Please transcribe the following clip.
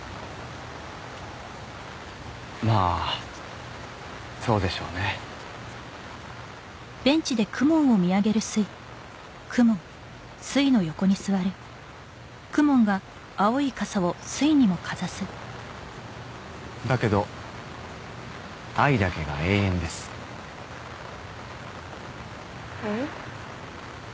まあそうでしょうねだけど愛だけが永遠ですえっ？